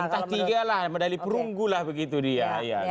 entah tiga lah medali perunggu lah begitu dia